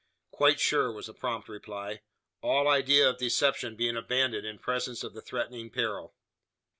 "Quite sure," was the prompt reply: all idea of deception being abandoned in presence of the threatening peril.